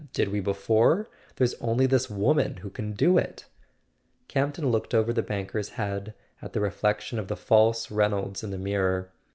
Did we before ? There's only this woman who can do it! " Campton looked over the banker's head at the re¬ flection of the false Reynolds in the mirror.